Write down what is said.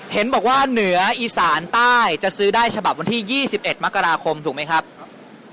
เห็นบอกว่าเหนืออีสานใต้จะซื้อได้ฉบับวันที่๒๑มกราคมถูกไหมครับ